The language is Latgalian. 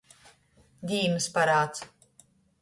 Dīnys parāds.